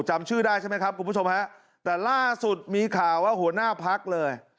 จำชื่อได้ใช่ไหมครับคุณผู้ชมฮะแต่ล่าสุดมีข่าวว่าหัวหน้าพักเลย